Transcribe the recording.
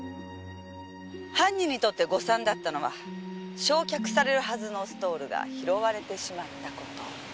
犯人にとって誤算だったのは焼却されるはずのストールが拾われてしまった事。